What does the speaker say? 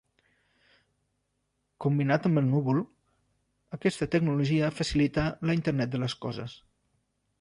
Combinat amb el núvol, aquesta tecnologia facilita la Internet de les Coses.